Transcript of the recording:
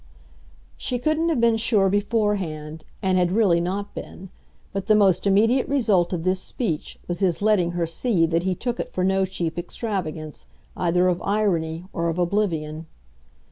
She couldn't have been sure beforehand, and had really not been; but the most immediate result of this speech was his letting her see that he took it for no cheap extravagance either of irony or of oblivion.